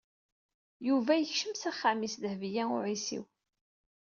Yuba yekcem s axxam-is d Dehbiya u Ɛisiw.